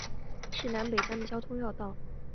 是南北疆的交通要道。